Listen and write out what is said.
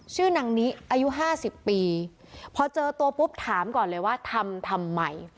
ชื่อนางนิอายุห้าสิบปีพอเจอตัวปุ๊บถามก่อนเลยว่าทำทำไม